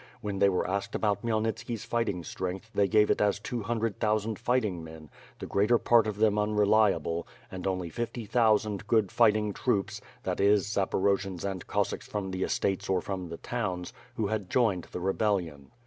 When they were asked about Khmyelnitski's fighting strength, they gave it at two hundred thousand fighting men, the greater part of them unreliable; and only fifty thousand good fight ing troops, that is Zaporojians and Cossacks from the estates or from the towns, who had joined the rebellion.